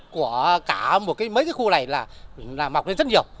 của cả mấy cái khu này là mọc lên rất nhiều